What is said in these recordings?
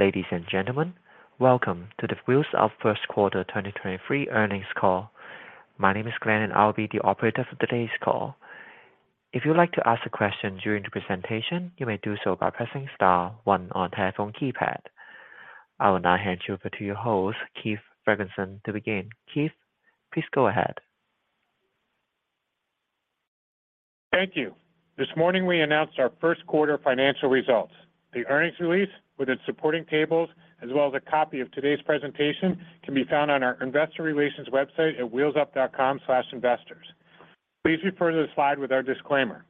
Ladies and gentlemen, welcome to the Wheels Up first quarter 2023 earnings call. My name is Glenn, and I'll be the operator for today's call. If you'd like to ask a question during the presentation, you may do so by pressing star one on your telephone keypad. I will now hand you over to your host, Keith Ferguson, to begin. Keith, please go ahead. Thank you. This morning, we announced our first quarter financial results. The earnings release with its supporting tables, as well as a copy of today's presentation, can be found on our investor relations website at wheelsup.com/investors. Please refer to the slide with our disclaimer.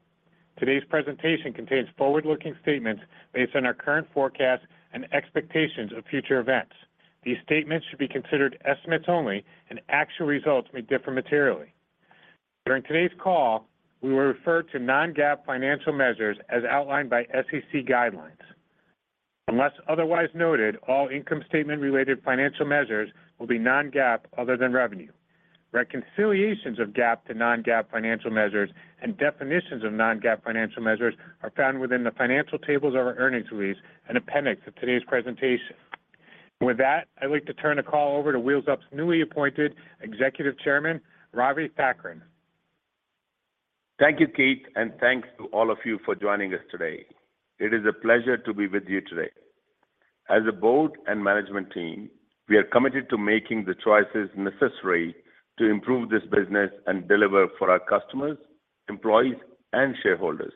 Today's presentation contains forward-looking statements based on our current forecasts and expectations of future events. These statements should be considered estimates only and actual results may differ materially. During today's call, we will refer to non-GAAP financial measures as outlined by SEC guidelines. Unless otherwise noted, all income statement related financial measures will be non-GAAP other than revenue. Reconciliations of GAAP to non-GAAP financial measures and definitions of non-GAAP financial measures are found within the financial tables of our earnings release and appendix of today's presentation. I'd like to turn the call over to Wheels Up's newly appointed Executive Chairman, Ravi Thakran. Thank you, Keith, and thanks to all of you for joining us today. It is a pleasure to be with you today. As a board and management team, we are committed to making the choices necessary to improve this business and deliver for our customers, employees, and shareholders.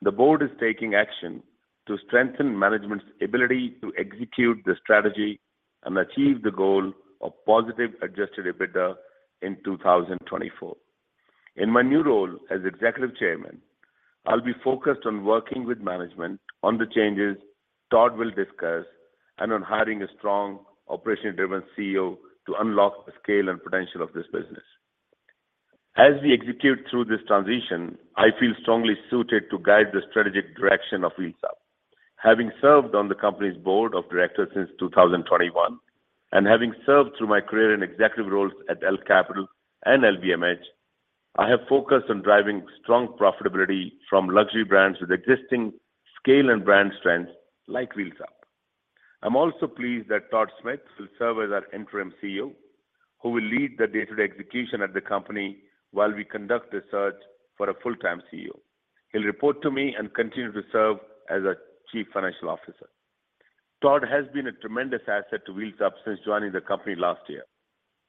The board is taking action to strengthen management's ability to execute the strategy and achieve the goal of positive adjusted EBITDA in 2024. In my new role as executive chairman, I'll be focused on working with management on the changes Todd will discuss and on hiring a strong, operationally driven CEO to unlock the scale and potential of this business. As we execute through this transition, I feel strongly suited to guide the strategic direction of Wheels Up. Having served on the company's board of directors since 2021 and having served through my career in executive roles at L Capital and LVMH, I have focused on driving strong profitability from luxury brands with existing scale and brand strengths like Wheels Up. I'm also pleased that Todd Smith will serve as our Interim CEO, who will lead the day-to-day execution at the company while we conduct a search for a full-time CEO. He'll report to me and continue to serve as a Chief Financial Officer. Todd has been a tremendous asset to Wheels Up since joining the company last year.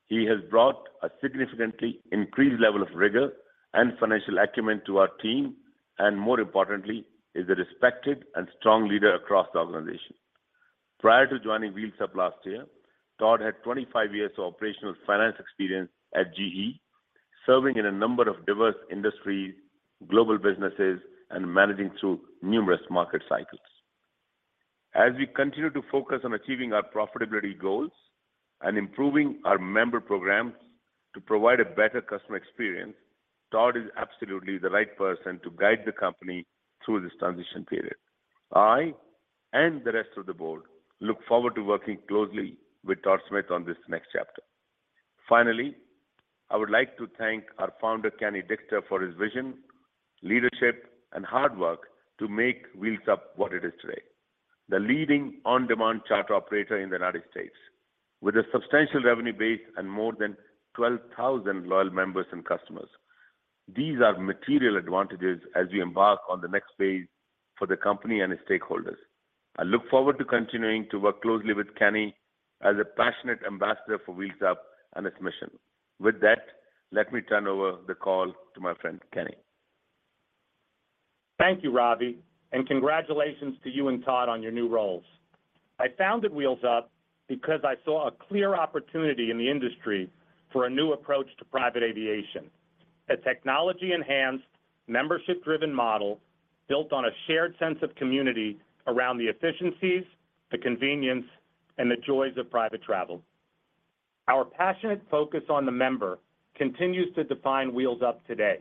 He has brought a significantly increased level of rigor and financial acumen to our team, and more importantly, is a respected and strong leader across the organization. Prior to joining Wheels Up last year, Todd had 25 years of operational finance experience at GE, serving in a number of diverse industries, global businesses, and managing through numerous market cycles. As we continue to focus on achieving our profitability goals and improving our member programs to provide a better customer experience, Todd is absolutely the right person to guide the company through this transition period. I and the rest of the board look forward to working closely with Todd Smith on this next chapter. Finally, I would like to thank our Founder, Kenny Dichter, for his vision, leadership, and hard work to make Wheels Up what it is today. The leading on-demand charter operator in the United States with a substantial revenue base and more than 12,000 loyal members and customers. These are material advantages as we embark on the next phase for the company and its stakeholders. I look forward to continuing to work closely with Kenny as a passionate ambassador for Wheels Up and its mission. With that, let me turn over the call to my friend, Kenny. Thank you, Ravi, and congratulations to you and Todd on your new roles. I founded Wheels Up because I saw a clear opportunity in the industry for a new approach to private aviation. A technology enhanced, membership driven model built on a shared sense of community around the efficiencies, the convenience, and the joys of private travel. Our passionate focus on the member continues to define Wheels Up today.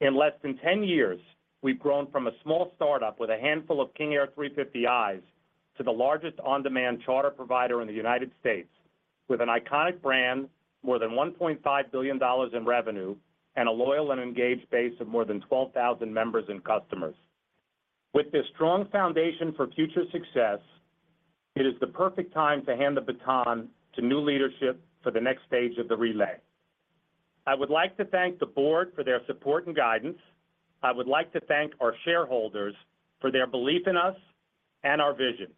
In less than 10 years, we've grown from a small startup with a handful of King Air 350i to the largest on-demand charter provider in the United States with an iconic brand, more than $1.5 billion in revenue, and a loyal and engaged base of more than 12,000 members and customers. With this strong foundation for future success, it is the perfect time to hand the baton to new leadership for the next stage of the relay. I would like to thank the board for their support and guidance. I would like to thank our shareholders for their belief in us and our vision.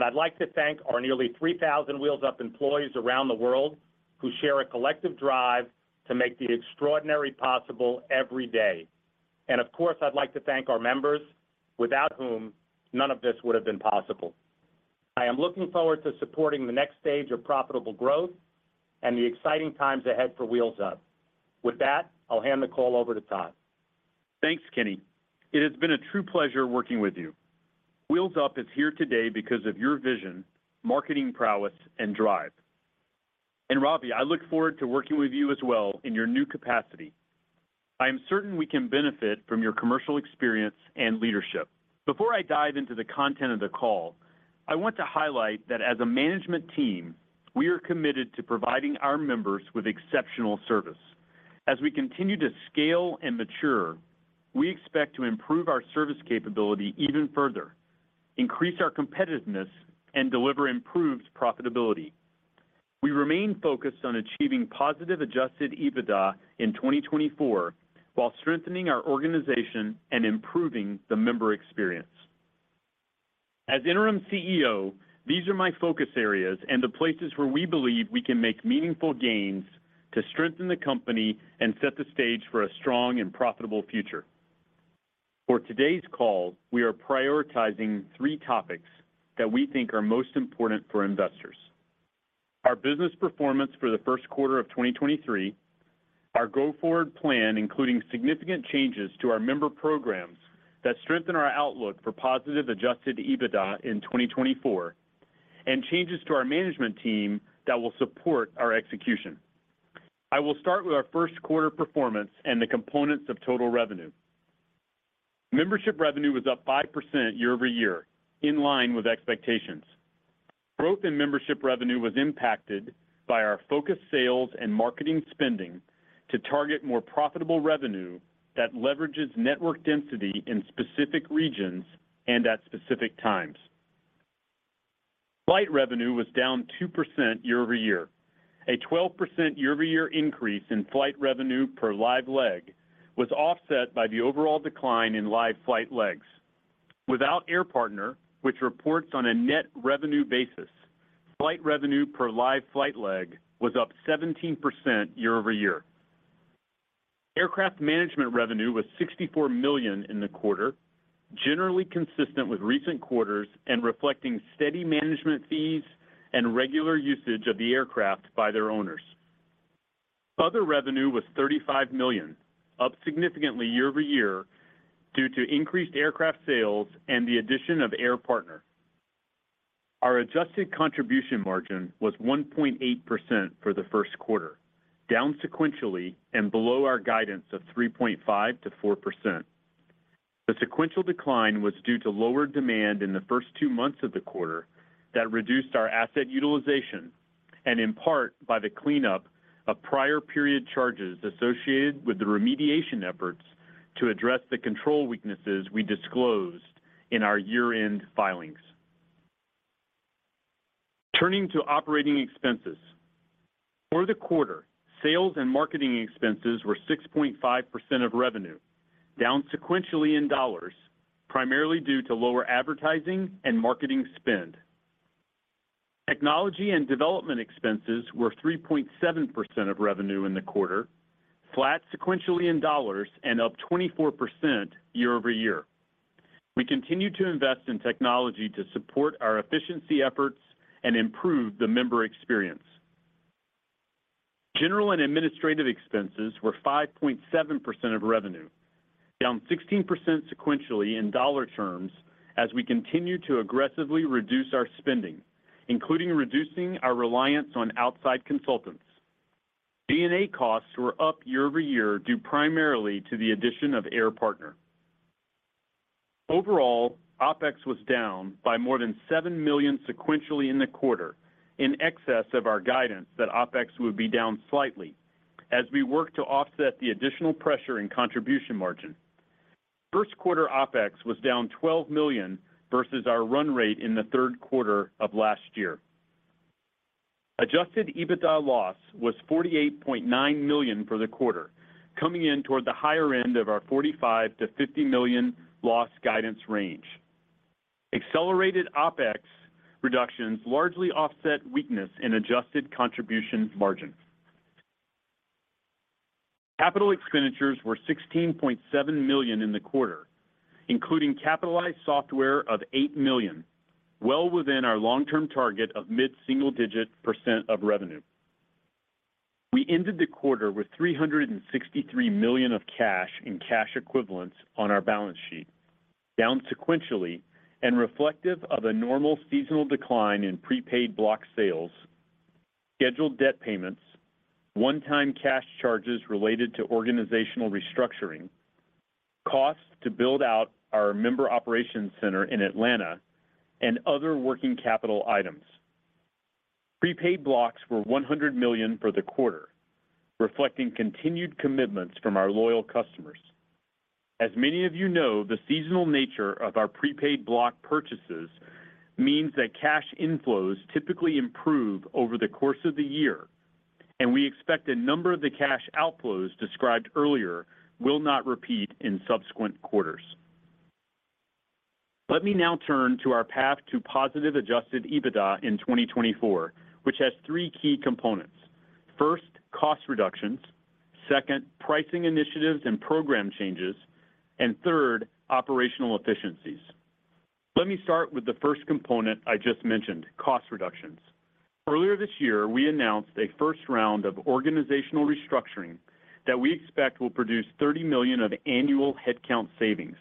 I'd like to thank our nearly 3,000 Wheels Up employees around the world who share a collective drive to make the extraordinary possible every day. Of course, I'd like to thank our members, without whom none of this would have been possible. I am looking forward to supporting the next stage of profitable growth and the exciting times ahead for Wheels Up. With that, I'll hand the call over to Todd. Thanks, Kenny. It has been a true pleasure working with you. Wheels Up is here today because of your vision, marketing prowess, and drive. Ravi, I look forward to working with you as well in your new capacity. I am certain we can benefit from your commercial experience and leadership. Before I dive into the content of the call, I want to highlight that as a management team, we are committed to providing our members with exceptional service. As we continue to scale and mature, we expect to improve our service capability even further, increase our competitiveness, and deliver improved profitability. We remain focused on achieving positive adjusted EBITDA in 2024 while strengthening our organization and improving the member experience. As interim CEO, these are my focus areas and the places where we believe we can make meaningful gains to strengthen the company and set the stage for a strong and profitable future. For today's call, we are prioritizing three topics that we think are most important for investors. Our business performance for the first quarter of 2023, our go forward plan, including significant changes to our member programs that strengthen our outlook for positive adjusted EBITDA in 2024, and changes to our management team that will support our execution. I will start with our first quarter performance and the components of total revenue. Membership revenue was up 5% year-over-year, in line with expectations. Growth in membership revenue was impacted by our focused sales and marketing spending to target more profitable revenue that leverages network density in specific regions and at specific times. Flight revenue was down 2% year-over-year. A 12% year-over-year increase in flight revenue per live leg was offset by the overall decline in live flight legs. Without Air Partner, which reports on a net revenue basis, flight revenue per live flight leg was up 17% year-over-year. Aircraft management revenue was $64 million in the quarter, generally consistent with recent quarters and reflecting steady management fees and regular usage of the aircraft by their owners. Other revenue was $35 million, up significantly year-over-year due to increased aircraft sales and the addition of Air Partner. Our adjusted contribution margin was 1.8% for the first quarter, down sequentially and below our guidance of 3.5%-4%. The sequential decline was due to lower demand in the first 2 months of the quarter that reduced our asset utilization and in part by the cleanup of prior period charges associated with the remediation efforts to address the control weaknesses we disclosed in our year end filings. Turning to operating expenses. For the quarter, sales and marketing expenses were 6.5% of revenue, down sequentially in dollars, primarily due to lower advertising and marketing spend. Technology and development expenses were 3.7% of revenue in the quarter, flat sequentially in dollars and up 24% year-over-year. We continue to invest in technology to support our efficiency efforts and improve the member experience. General and administrative expenses were 5.7% of revenue, down 16% sequentially in dollar terms as we continue to aggressively reduce our spending, including reducing our reliance on outside consultants. D&A costs were up year-over-year due primarily to the addition of Air Partner. Overall, OpEx was down by more than $7 million sequentially in the quarter, in excess of our guidance that OpEx would be down slightly as we work to offset the additional pressure in contribution margin. First quarter OpEx was down $12 million versus our run rate in the third quarter of last year. Adjusted EBITDA loss was $48.9 million for the quarter, coming in toward the higher end of our $45 million-$50 million loss guidance range. Accelerated OpEx reductions largely offset weakness in adjusted contribution margin. Capital expenditures were $16.7 million in the quarter, including capitalized software of $8 million, well within our long term target of mid-single digit percent of revenue. We ended the quarter with $363 million of cash in cash equivalents on our balance sheet, down sequentially and reflective of a normal seasonal decline in prepaid block sales, scheduled debt payments, one time cash charges related to organizational restructuring, costs to build out our Member Operations Center in Atlanta, and other working capital items. Prepaid blocks were $100 million for the quarter, reflecting continued commitments from our loyal customers. As many of you know, the seasonal nature of our prepaid block purchases means that cash inflows typically improve over the course of the year. We expect a number of the cash outflows described earlier will not repeat in subsequent quarters. Let me now turn to our path to positive adjusted EBITDA in 2024, which has three key components. First, cost reductions, second, pricing initiatives and program changes, and third, operational efficiencies. Let me start with the first component I just mentioned, cost reductions. Earlier this year, we announced a first round of organizational restructuring that we expect will produce $30 million of annual headcount savings.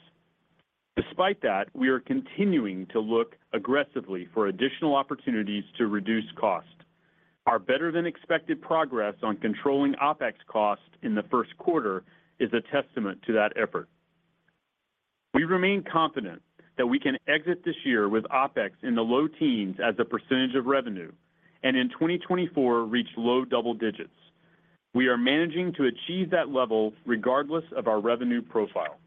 Despite that, we are continuing to look aggressively for additional opportunities to reduce cost. Our better than expected progress on controlling OpEx costs in the first quarter is a testament to that effort. We remain confident that we can exit this year with OpEx in the low teens as a percent of revenue, and in 2024 reach low double digits. We are managing to achieve that level regardless of our revenue profile.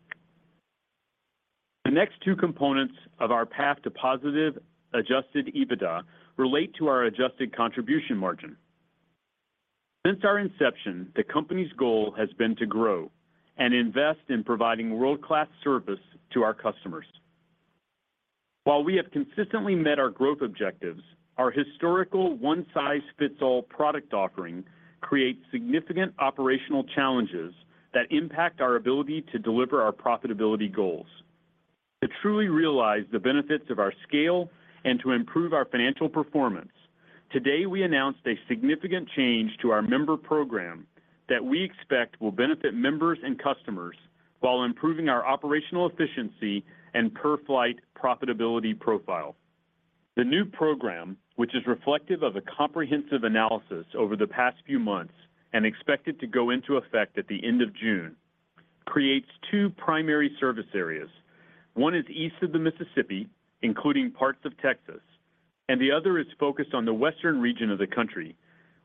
The next two components of our path to positive adjusted EBITDA relate to our adjusted contribution margin. Since our inception, the company's goal has been to grow and invest in providing world-class service to our customers. While we have consistently met our growth objectives, our historical one-size-fits-all product offering creates significant operational challenges that impact our ability to deliver our profitability goals. To truly realize the benefits of our scale and to improve our financial performance, today we announced a significant change to our member program that we expect will benefit members and customers while improving our operational efficiency and per flight profitability profile. The new program, which is reflective of a comprehensive analysis over the past few months and expected to go into effect at the end of June, creates two primary service areas. One is east of the Mississippi, including parts of Texas, and the other is focused on the western region of the country,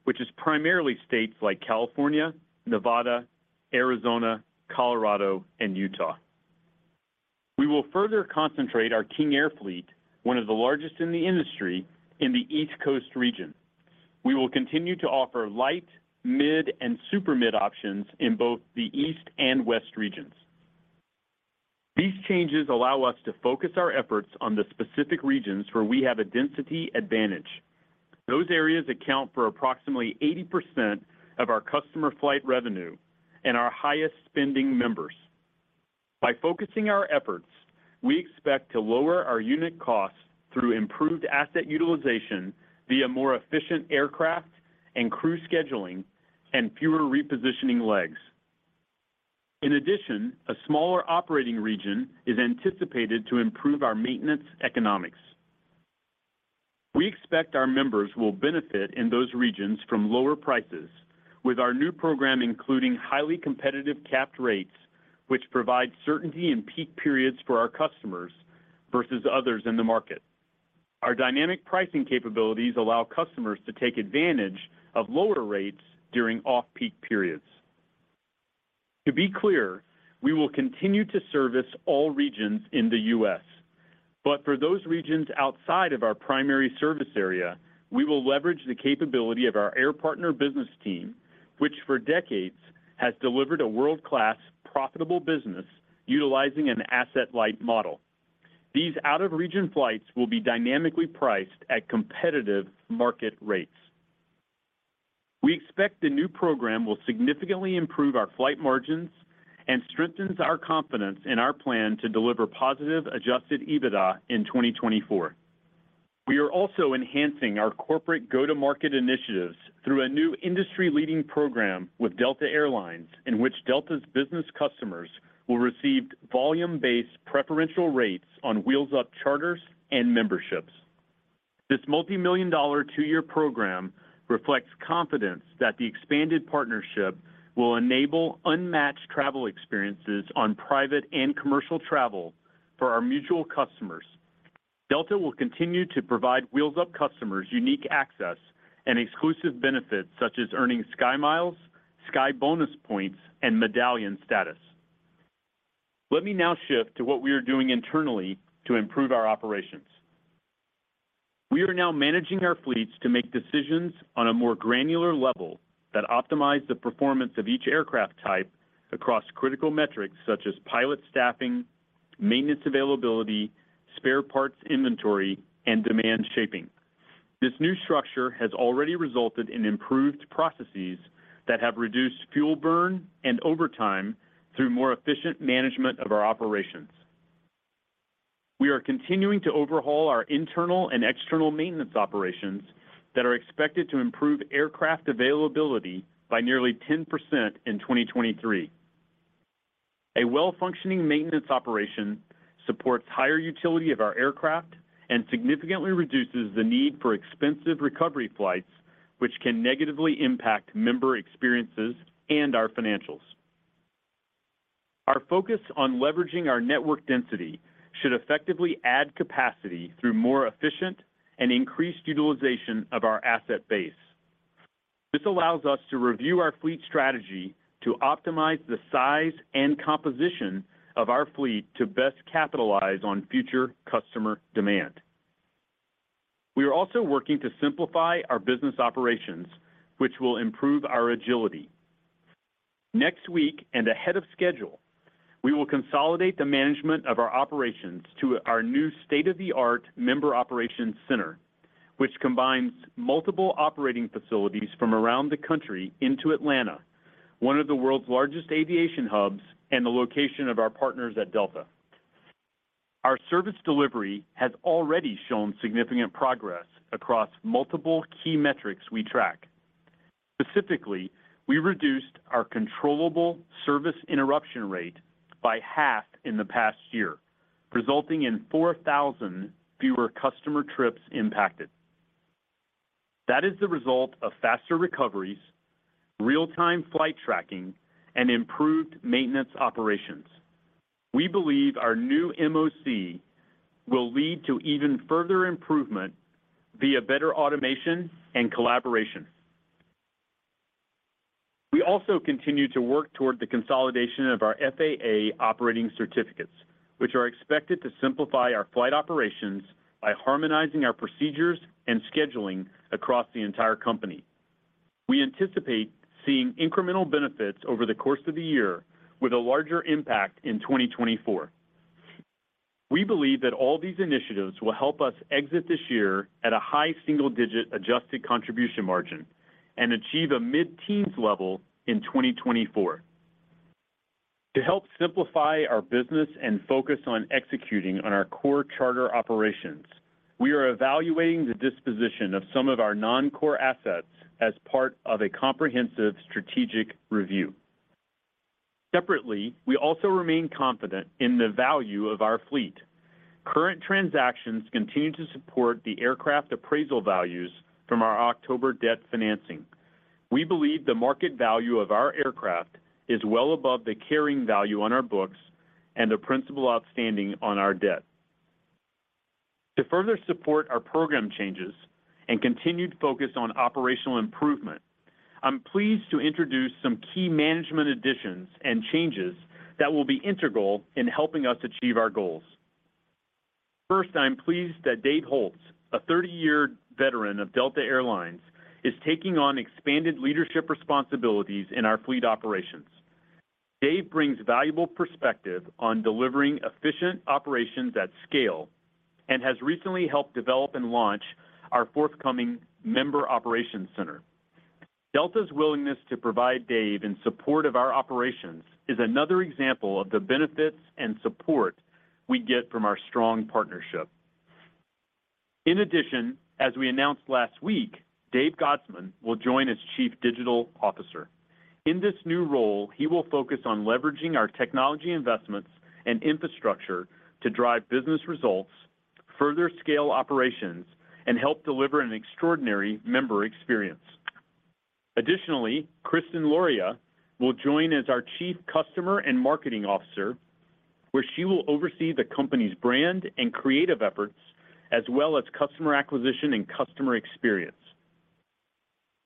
which is primarily states like California, Nevada, Arizona, Colorado, and Utah. We will further concentrate our King Air fleet, one of the largest in the industry, in the East Coast region. We will continue to offer light, mid, and super mid options in both the East and West regions. These changes allow us to focus our efforts on the specific regions where we have a density advantage. Those areas account for approximately 80% of our customer flight revenue and our highest spending members. By focusing our efforts, we expect to lower our unit costs through improved asset utilization via more efficient aircraft and crew scheduling and fewer repositioning legs. In addition, a smaller operating region is anticipated to improve our maintenance economics. We expect our members will benefit in those regions from lower prices with our new program, including highly competitive capped rates, which provide certainty in peak periods for our customers versus others in the market. Our dynamic pricing capabilities allow customers to take advantage of lower rates during off-peak periods. To be clear, we will continue to service all regions in the U.S., but for those regions outside of our primary service area, we will leverage the capability of our Air Partner business team, which for decades has delivered a world-class profitable business utilizing an asset-light model. These out-of-region flights will be dynamically priced at competitive market rates. We expect the new program will significantly improve our flight margins and strengthens our confidence in our plan to deliver positive adjusted EBITDA in 2024. We are also enhancing our corporate go-to-market initiatives through a new industry-leading program with Delta Air Lines, in which Delta's business customers will receive volume-based preferential rates on Wheels Up charters and memberships. This multimillion-dollar two-year program reflects confidence that the expanded partnership will enable unmatched travel experiences on private and commercial travel for our mutual customers. Delta will continue to provide Wheels Up customers unique access and exclusive benefits such as earning SkyMiles, SkyBonus points, and Medallion status. Let me now shift to what we are doing internally to improve our operations. We are now managing our fleets to make decisions on a more granular level that optimize the performance of each aircraft type across critical metrics such as pilot staffing, maintenance availability, spare parts inventory, and demand shaping. This new structure has already resulted in improved processes that have reduced fuel burn and overtime through more efficient management of our operations. We are continuing to overhaul our internal and external maintenance operations that are expected to improve aircraft availability by nearly 10% in 2023. A well-functioning maintenance operation supports higher utility of our aircraft and significantly reduces the need for expensive recovery flights which can negatively impact member experiences and our financials. Our focus on leveraging our network density should effectively add capacity through more efficient and increased utilization of our asset base. This allows us to review our fleet strategy to optimize the size and composition of our fleet to best capitalize on future customer demand. We are also working to simplify our business operations, which will improve our agility. Next week and ahead of schedule, we will consolidate the management of our operations to our new state-of-the-art Member Operations Center, which combines multiple operating facilities from around the country into Atlanta, one of the world's largest aviation hubs and the location of our partners at Delta. Our service delivery has already shown significant progress across multiple key metrics we track. Specifically, we reduced our controllable service interruption rate by half in the past year, resulting in 4,000 fewer customer trips impacted. That is the result of faster recoveries, real-time flight tracking, and improved maintenance operations. We believe our new MOC will lead to even further improvement via better automation and collaboration. We also continue to work toward the consolidation of our FAA operating certificates, which are expected to simplify our flight operations by harmonizing our procedures and scheduling across the entire company. We anticipate seeing incremental benefits over the course of the year with a larger impact in 2024. We believe that all these initiatives will help us exit this year at a high single-digit adjusted contribution margin and achieve a mid-teens level in 2024. To help simplify our business and focus on executing on our core charter operations, we are evaluating the disposition of some of our non-core assets as part of a comprehensive strategic review. Separately, we also remain confident in the value of our fleet. Current transactions continue to support the aircraft appraisal values from our October debt financing. We believe the market value of our aircraft is well above the carrying value on our books and the principal outstanding on our debt. To further support our program changes and continued focus on operational improvement, I'm pleased to introduce some key management additions and changes that will be integral in helping us achieve our goals. First, I am pleased that Dave Holtz, a 30-year veteran of Delta Air Lines, is taking on expanded leadership responsibilities in our fleet operations. Dave brings valuable perspective on delivering efficient operations at scale and has recently helped develop and launch our forthcoming Member Operations Center. Delta's willingness to provide Dave in support of our operations is another example of the benefits and support we get from our strong partnership. In addition, as we announced last week, Dave Godsman will join as Chief Digital Officer. In this new role, he will focus on leveraging our technology investments and infrastructure to drive business results, further scale operations, and help deliver an extraordinary member experience. Additionally, Kristen Lauria will join as our Chief Customer and Marketing Officer, where she will oversee the company's brand and creative efforts as well as customer acquisition and customer experience.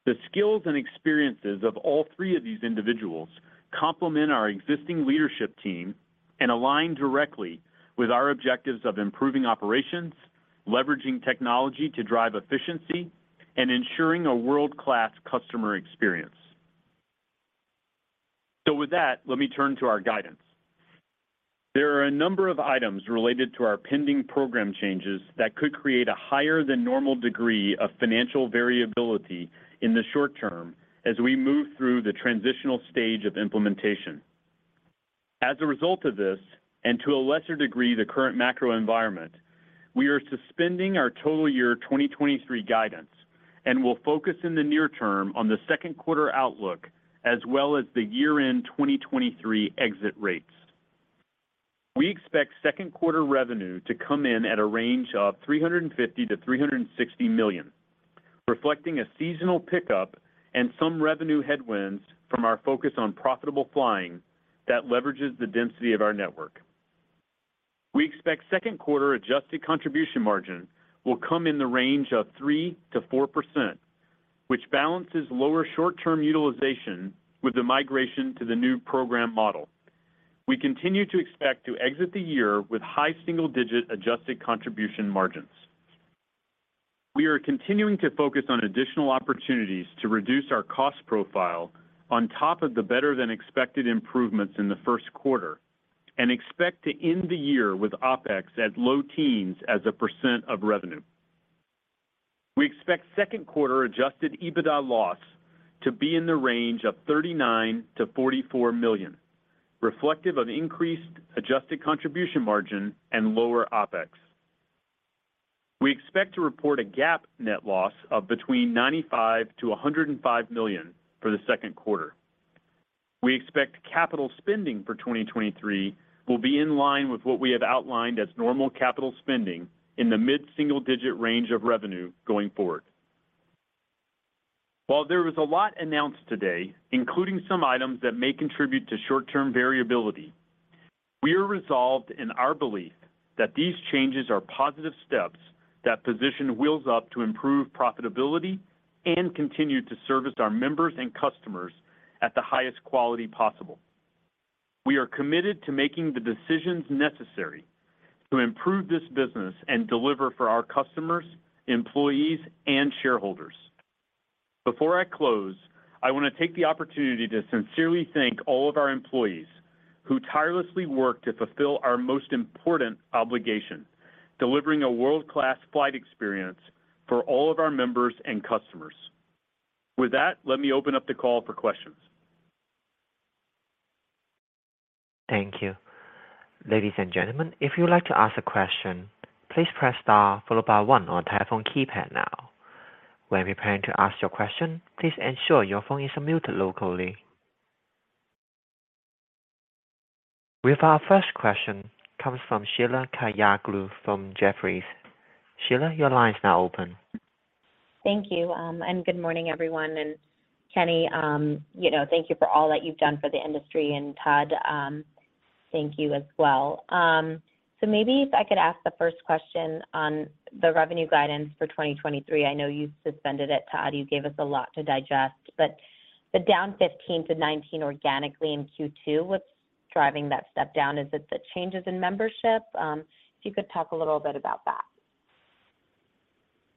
The skills and experiences of all three of these individuals complement our existing leadership team and align directly with our objectives of improving operations, leveraging technology to drive efficiency, and ensuring a world-class customer experience. With that, let me turn to our guidance. There are a number of items related to our pending program changes that could create a higher than normal degree of financial variability in the short term as we move through the transitional stage of implementation. As a result of this, and to a lesser degree, the current macro environment, we are suspending our total year 2023 guidance and will focus in the near term on the second quarter outlook as well as the year-end 2023 exit rates. We expect second quarter revenue to come in at a range of $350 million-$360 million, reflecting a seasonal pickup and some revenue headwinds from our focus on profitable flying that leverages the density of our network. We expect second quarter adjusted contribution margin will come in the range of 3%-4%, which balances lower short-term utilization with the migration to the new program model. We continue to expect to exit the year with high single-digit adjusted contribution margins. We are continuing to focus on additional opportunities to reduce our cost profile on top of the better-than-expected improvements in the first quarter and expect to end the year with OpEx at low teens percent of revenue. We expect second quarter adjusted EBITDA loss to be in the range of $39 million-$44 million, reflective of increased adjusted contribution margin and lower OpEx. We expect to report a GAAP net loss of between $95 million-$105 million for the second quarter. We expect capital spending for 2023 will be in line with what we have outlined as normal capital spending in the mid-single digit percent range of revenue going forward. While there was a lot announced today, including some items that may contribute to short-term variability, we are resolved in our belief that these changes are positive steps that position Wheels Up to improve profitability and continue to service our members and customers at the highest quality possible. We are committed to making the decisions necessary to improve this business and deliver for our customers, employees, and shareholders. Before I close, I want to take the opportunity to sincerely thank all of our employees who tirelessly work to fulfill our most important obligation, delivering a world-class flight experience for all of our members and customers. With that, let me open up the call for questions. Thank you. Ladies and gentlemen, if you would like to ask a question, please press star followed by one on your telephone keypad now. When preparing to ask your question, please ensure your phone is on mute locally. We have our first question comes from Sheila Kahyaoglu from Jefferies. Sheila, your line is now open. Thank you. Good morning, everyone. Kenny, you know, thank you for all that you've done for the industry. Todd, thank you as well. Maybe if I could ask the first question on the revenue guidance for 2023. I know you suspended it, Todd, you gave us a lot to digest. The down 15%-19% organically in Q2, what's driving that step down? Is it the changes in membership? If you could talk a little bit about that.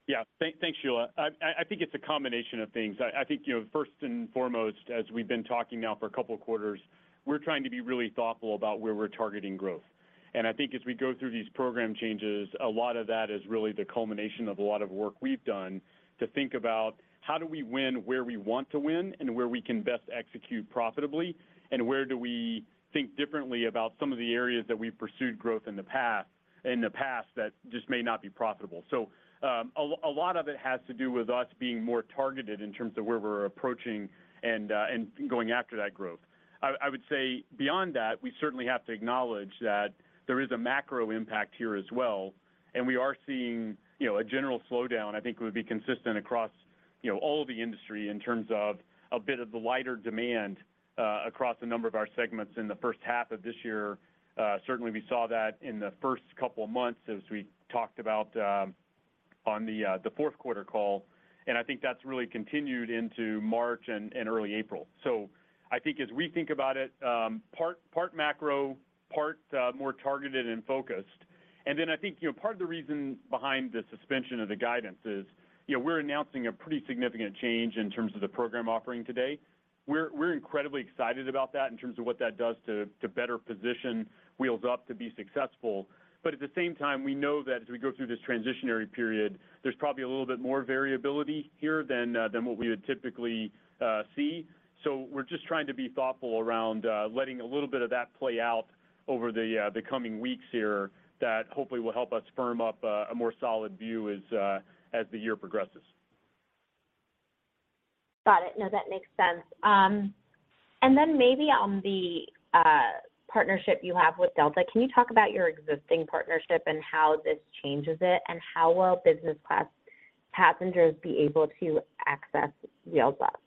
Yeah. Thanks, Sheila. I think it's a combination of things. I think, you know, first and foremost, as we've been talking now for a couple of quarters, we're trying to be really thoughtful about where we're targeting growth. I think as we go through these program changes, a lot of that is really the culmination of a lot of work we've done to think about how do we win where we want to win and where we can best execute profitably, and where do we think differently about some of the areas that we've pursued growth in the past that just may not be profitable. A lot of it has to do with us being more targeted in terms of where we're approaching and going after that growth. I would say beyond that, we certainly have to acknowledge that there is a macro impact here as well. We are seeing, you know, a general slowdown, I think would be consistent across, you know, all of the industry in terms of a bit of the lighter demand across a number of our segments in the first half of this year. Certainly we saw that in the first couple of months as we talked about on the fourth quarter call. I think that's really continued into March and early April. I think as we think about it, part macro, part more targeted and focused. I think, you know, part of the reason behind the suspension of the guidance is, you know, we're announcing a pretty significant change in terms of the program offering today. We're incredibly excited about that in terms of what that does to better position Wheels Up to be successful. At the same time, we know that as we go through this transitionary period, there's probably a little bit more variability here than what we would typically see. We're just trying to be thoughtful around letting a little bit of that play out over the coming weeks here that hopefully will help us firm up a more solid view as the year progresses. Got it. No, that makes sense. Maybe on the partnership you have with Delta, can you talk about your existing partnership and how this changes it, and how will business class passengers be able to access Wheels Up?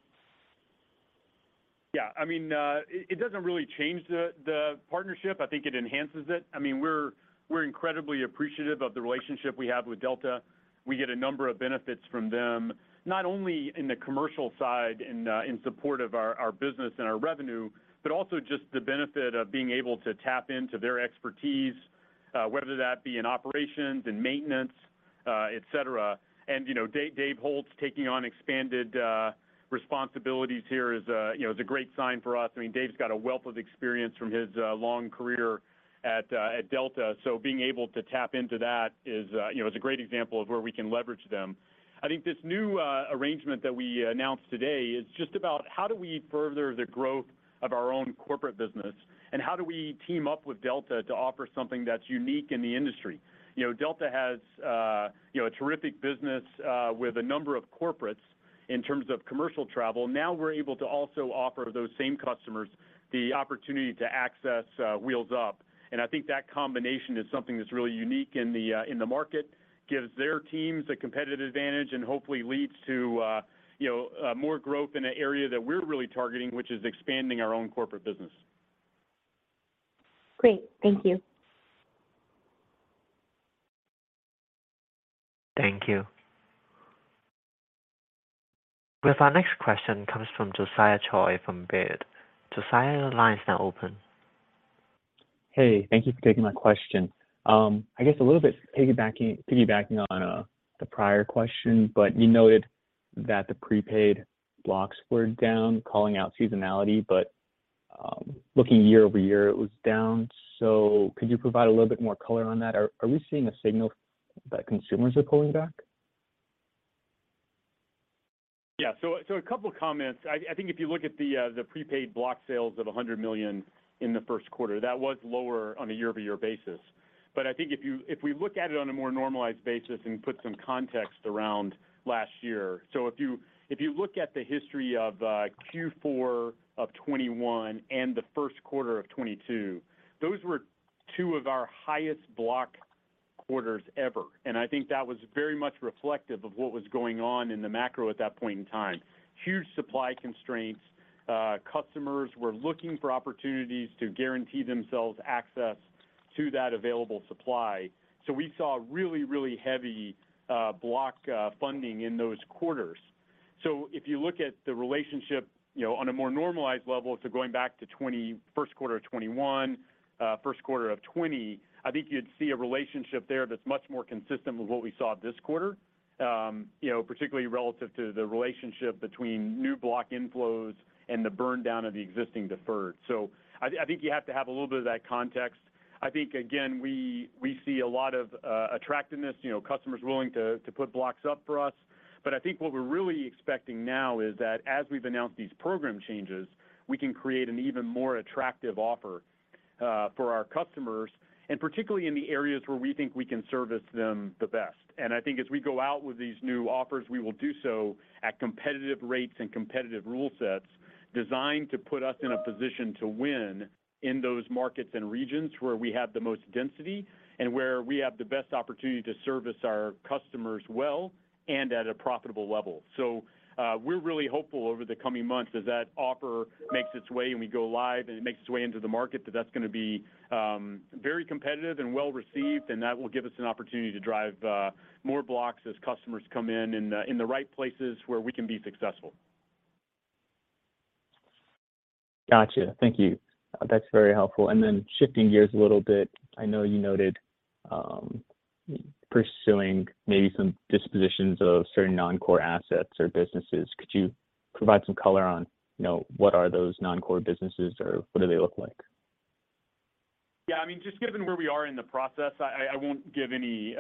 Yeah, I mean, it doesn't really change the partnership. I think it enhances it. I mean, we're incredibly appreciative of the relationship we have with Delta. We get a number of benefits from them, not only in the commercial side in support of our business and our revenue, but also just the benefit of being able to tap into their expertise, whether that be in operations, in maintenance, et cetera. You know, Dave Holtz taking on expanded responsibilities here is, you know, is a great sign for us. I mean, Dave's got a wealth of experience from his long career at Delta. Being able to tap into that is, you know, is a great example of where we can leverage them. I think this new arrangement that we announced today is just about how do we further the growth of our own corporate business, and how do we team up with Delta to offer something that's unique in the industry. You know, Delta has, you know, a terrific business with a number of corporates in terms of commercial travel. Now we're able to also offer those same customers the opportunity to access Wheels Up. I think that combination is something that's really unique in the market, gives their teams a competitive advantage and hopefully leads to, you know, more growth in an area that we're really targeting, which is expanding our own corporate business. Great. Thank you. Thank you. We have our next question comes from Josiah Choy from Baird. Josiah, your line is now open. Hey, thank you for taking my question. I guess a little bit piggybacking on the prior question. You noted that the prepaid blocks were down, calling out seasonality, but looking year-over-year, it was down. Could you provide a little bit more color on that? Are we seeing a signal that consumers are pulling back? Yeah. A couple comments. I think if you look at the prepaid block sales of $100 million in the first quarter, that was lower on a year-over-year basis. I think if we look at it on a more normalized basis and put some context around last year. If you look at the history of Q4 of 2021 and the first quarter of 2022, those were two of our highest block quarters ever. I think that was very much reflective of what was going on in the macro at that point in time. Huge supply constraints. Customers were looking for opportunities to guarantee themselves access to that available supply. We saw really heavy block funding in those quarters. If you look at the relationship, you know, on a more normalized level, going back to first quarter of 2021, first quarter of 2020, I think you'd see a relationship there that's much more consistent with what we saw this quarter. You know, particularly relative to the relationship between new block inflows and the burn down of the existing deferred. I think you have to have a little bit of that context. I think, again, we see a lot of attractiveness, you know, customers willing to put blocks up for us. I think what we're really expecting now is that as we've announced these program changes, we can create an even more attractive offer for our customers, and particularly in the areas where we think we can service them the best. I think as we go out with these new offers, we will do so at competitive rates and competitive rule sets. Designed to put us in a position to win in those markets and regions where we have the most density and where we have the best opportunity to service our customers well and at a profitable level. We're really hopeful over the coming months as that offer makes its way and we go live, and it makes its way into the market, that that's gonna be very competitive and well-received, and that will give us an opportunity to drive more blocks as customers come in the right places where we can be successful. Gotcha. Thank you. That's very helpful. Then shifting gears a little bit, I know you noted, pursuing maybe some dispositions of certain non-core assets or businesses. Could you provide some color on, you know, what are those non-core businesses or what do they look like? Yeah, I mean, just given where we are in the process, I won't give any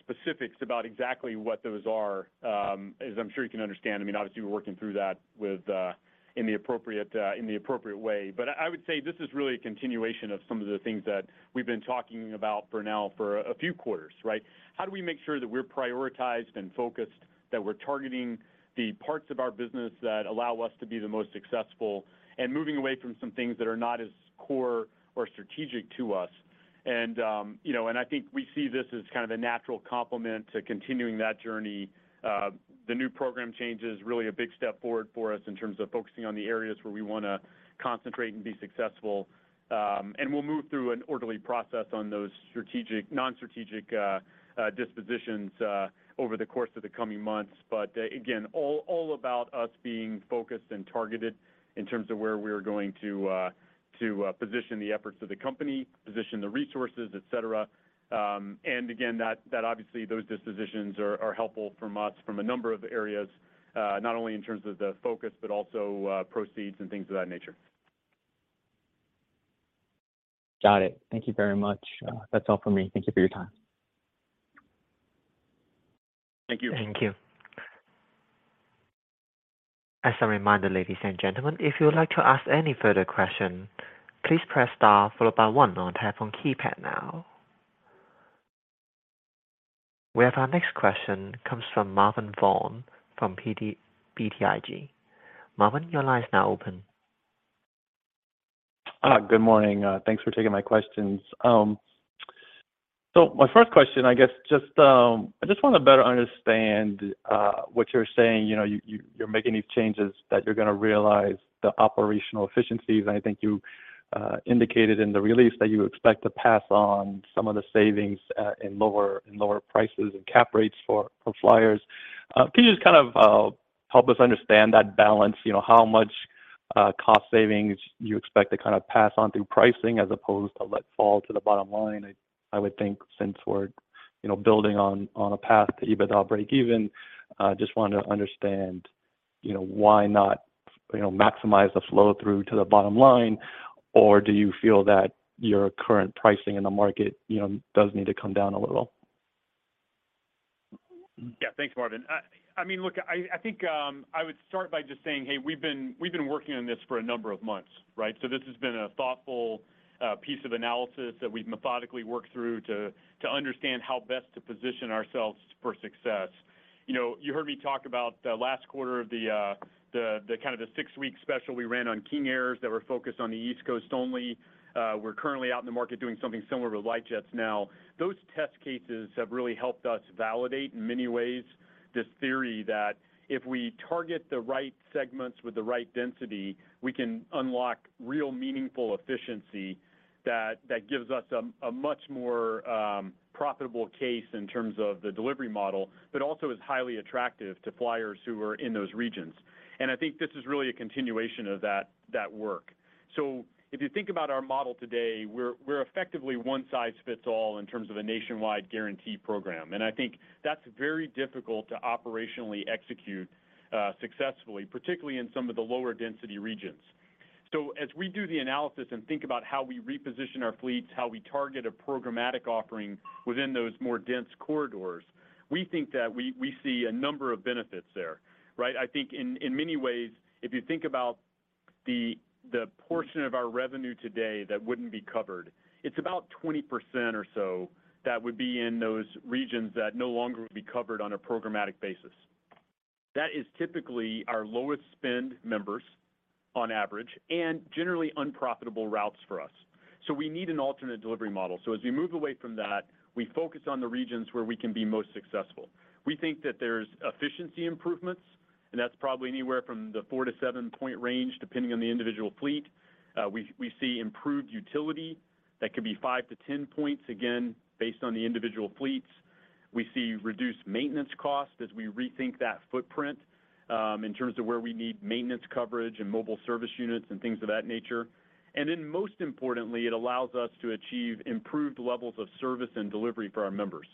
specifics about exactly what those are, as I'm sure you can understand. I mean, obviously, we're working through that with in the appropriate way. I would say this is really a continuation of some of the things that we've been talking about for now for a few quarters, right? How do we make sure that we're prioritized and focused, that we're targeting the parts of our business that allow us to be the most successful and moving away from some things that are not as core or strategic to us. you know, I think we see this as kind of a natural complement to continuing that journey. The new program change is really a big step forward for us in terms of focusing on the areas where we wanna concentrate and be successful. We'll move through an orderly process on those non-strategic dispositions over the course of the coming months. Again, all about us being focused and targeted in terms of where we're going to position the efforts of the company, position the resources, et cetera. Again, that obviously, those dispositions are helpful from us from a number of areas, not only in terms of the focus, but also proceeds and things of that nature. Got it. Thank you very much. That's all for me. Thank you for your time. Thank you. Thank you. As a reminder, ladies and gentlemen, if you would like to ask any further question, please press star followed by one on telephone keypad now. We have our next question comes from Marvin Fong from BTIG. Marvin, your line is now open. Good morning. Thanks for taking my questions. My first question, I guess just, I just wanna better understand what you're saying. You know, you're making these changes that you're gonna realize the operational efficiencies. I think you indicated in the release that you expect to pass on some of the savings in lower prices and capped rates for flyers. Can you just kind of help us understand that balance, you know, how much cost savings you expect to kind of pass on through pricing as opposed to let fall to the bottom line? I would think since we're, you know, building on a path to EBITDA breakeven, just want to understand, you know, why not, you know, maximize the flow through to the bottom line, or do you feel that your current pricing in the market, you know, does need to come down a little? Yeah. Thanks, Marvin. I mean, look, I think I would start by just saying, hey, we've been, we've been working on this for a number of months, right? This has been a thoughtful piece of analysis that we've methodically worked through to understand how best to position ourselves for success. You know, you heard me talk about the last quarter of the kind of the six-week special we ran on King Air that were focused on the East Coast only. We're currently out in the market doing something similar with light jets now. Those test cases have really helped us validate in many ways this theory that if we target the right segments with the right density, we can unlock real meaningful efficiency that gives us a much more profitable case in terms of the delivery model, but also is highly attractive to flyers who are in those regions. I think this is really a continuation of that work. If you think about our model today, we're effectively one size fits all in terms of a nationwide guarantee program. I think that's very difficult to operationally execute successfully, particularly in some of the lower density regions. As we do the analysis and think about how we reposition our fleets, how we target a programmatic offering within those more dense corridors, we think that we see a number of benefits there, right? I think in many ways, if you think about the portion of our revenue today that wouldn't be covered, it's about 20% or so that would be in those regions that no longer would be covered on a programmatic basis. That is typically our lowest spend members on average and generally unprofitable routes for us. We need an alternate delivery model. As we move away from that, we focus on the regions where we can be most successful. We think that there's efficiency improvements, and that's probably anywhere from the 4-7-point range, depending on the individual fleet. We see improved utility that could be 5-10 points, again, based on the individual fleets. We see reduced maintenance costs as we rethink that footprint, in terms of where we need maintenance coverage and mobile service units and things of that nature. Most importantly, it allows us to achieve improved levels of service and delivery for our members.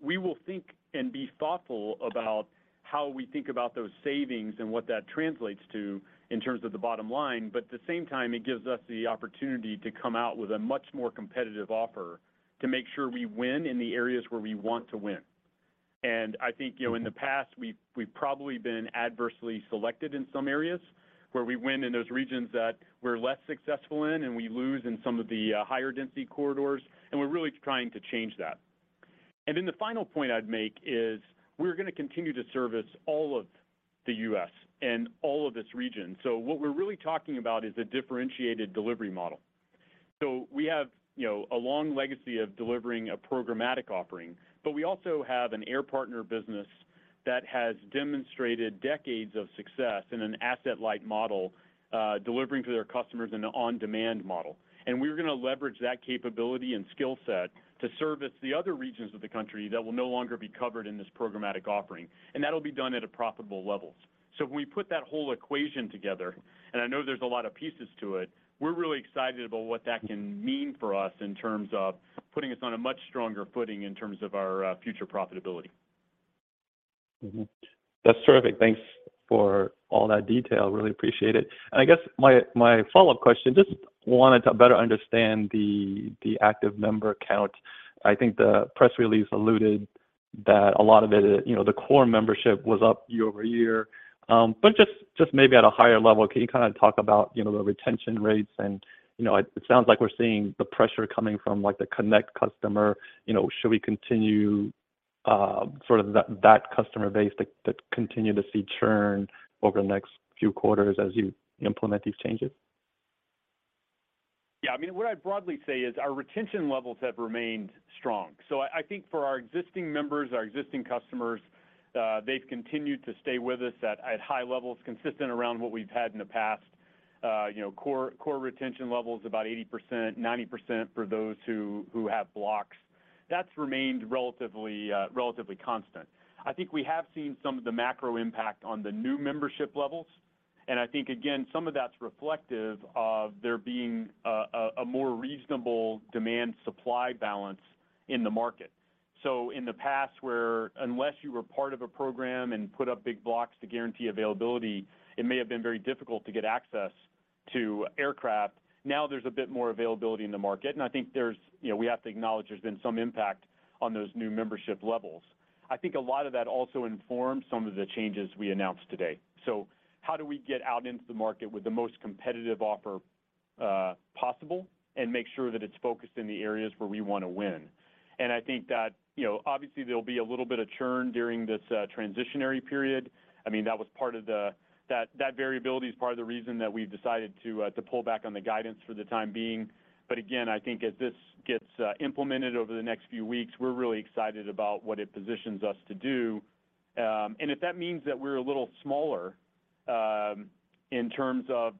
We will think and be thoughtful about how we think about those savings and what that translates to in terms of the bottom line. At the same time, it gives us the opportunity to come out with a much more competitive offer to make sure we win in the areas where we want to win. I think, you know, in the past, we've probably been adversely selected in some areas, where we win in those regions that we're less successful in and we lose in some of the higher density corridors, and we're really trying to change that. Then the final point I'd make is we're gonna continue to service all of the U.S. and all of this region. What we're really talking about is a differentiated delivery model. We have, you know, a long legacy of delivering a programmatic offering, but we also have an Air Partner business that has demonstrated decades of success in an asset-light model, delivering to their customers in an on-demand model. We're gonna leverage that capability and skill set to service the other regions of the country that will no longer be covered in this programmatic offering, and that'll be done at a profitable level. When we put that whole equation together, and I know there's a lot of pieces to it, we're really excited about what that can mean for us in terms of putting us on a much stronger footing in terms of our future profitability. That's terrific. Thanks for all that detail. Really appreciate it. And I guess my follow-up question, just wanted to better understand the active member count. I think the press release alluded that a lot of it, you know, the core membership was up year-over-year. But just maybe at a higher level, can you kinda talk about, you know, the retention rates and, you know, it sounds like we're seeing the pressure coming from, like, the connect customer. You know, should we continue, sort of that customer base that continue to see churn over the next few quarters as you implement these changes? Yeah. I mean, what I'd broadly say is our retention levels have remained strong. I think for our existing members, our existing customers, they've continued to stay with us at high levels, consistent around what we've had in the past. You know, core retention level is about 80%, 90% for those who have blocks. That's remained relatively constant. I think we have seen some of the macro impact on the new membership levels. I think, again, some of that's reflective of there being a more reasonable demand-supply balance in the market. In the past where unless you were part of a program and put up big blocks to guarantee availability, it may have been very difficult to get access to aircraft. Now there's a bit more availability in the market. I think there's... You know, we have to acknowledge there's been some impact on those new membership levels. I think a lot of that also informed some of the changes we announced today. How do we get out into the market with the most competitive offer possible and make sure that it's focused in the areas where we wanna win. I think that, you know, obviously there'll be a little bit of churn during this transitionary period. I mean, that variability is part of the reason that we've decided to pull back on the guidance for the time being. Again, I think as this gets implemented over the next few weeks, we're really excited about what it positions us to do. If that means that we're a little smaller, in terms of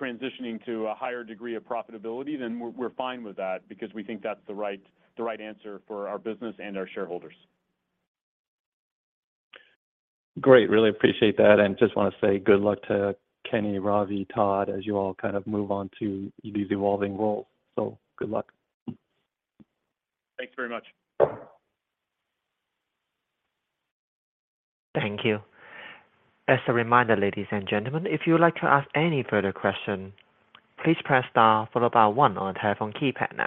transitioning to a higher degree of profitability, then we're fine with that because we think that's the right answer for our business and our shareholders. Great. Really appreciate that, just wanna say good luck to Kenny, Ravi, Todd, as you all kind of move on to these evolving roles. Good luck. Thanks very much. Thank you. As a reminder, ladies and gentlemen, if you would like to ask any further question, please press star followed by one on your telephone keypad now.